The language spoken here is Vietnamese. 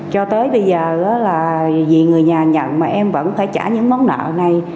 cho tới bây giờ là vì người nhà nhận mà em vẫn phải trả những món nợ này